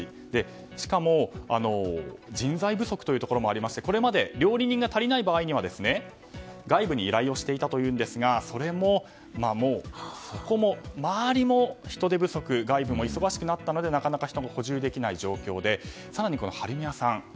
しかも、人材不足というところもありましてこれまで料理人が足りない場合には外部に依頼をしていたというんですがそこも、外部も忙しくなったのでなかなか人も補充できない状態でしかも晴海屋さん